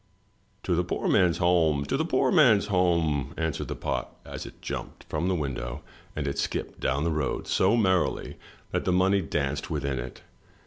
*' "To the poor man's home, to the poor man's home," answered the pot, as it jumped from the window, and it skipped down the road so merrily that the money danced within it.